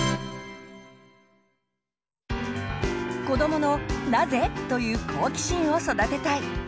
子どもの「なぜ？」という好奇心を育てたい！